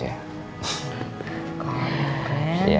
iya mama masih suka ngomong terus ya